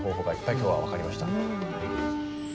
今日は分かりました。